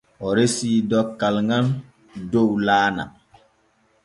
O resii dokkal ŋal dow laana.